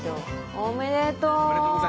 おめでとう。